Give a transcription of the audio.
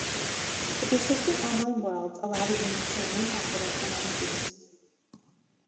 The persistent online worlds allow the games to remain popular for many years.